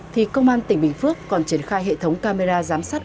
thì công an tỉnh bình phước còn triển khai hệ thống camera giám sát